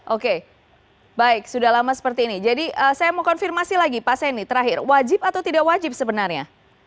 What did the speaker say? oke baik sudah lama seperti ini jadi saya mau konfirmasi lagi pak seni terakhir wajib atau tidak wajib sebenarnya